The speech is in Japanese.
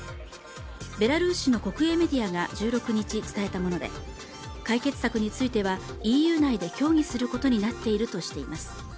ベラルーシの国営メディアが１６日伝えたもので、解決策についてはＥＵ内で協議することになっているとしています。